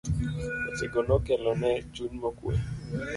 weche go nokelo ne chuny mokwe.